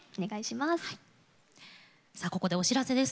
ここで、お知らせです。